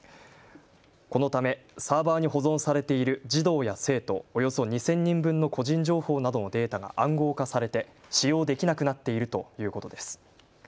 このためサーバーに保存されている児童や生徒およそ２０００人分の個人情報などのデータが暗号化されて使用できなくなっているということです。